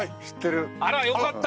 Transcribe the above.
あらよかった。